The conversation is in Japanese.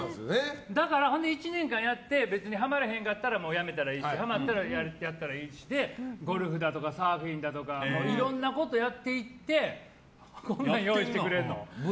だから、１年間やって別にはまれんかったらやらなきゃいいしはまったらやったらいいしでゴルフだとかサーフィンだとかいろんなことやっていって。